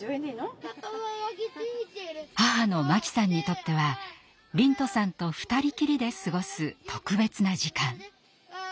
母の真紀さんにとっては龍翔さんと二人きりで過ごす特別な時間。